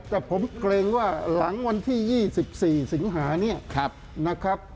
แต่ผมเกรงว่าหลังวันที่๒๔สิงหาเนี่ยนะครับ